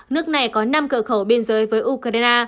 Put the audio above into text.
nước này có năm cửa khẩu biên giới với ukraine